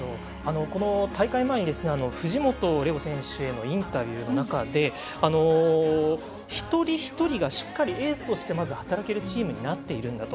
大会前に藤本選手へのインタビューの中で一人一人がしっかりエースとして働けるチームになってるんだと。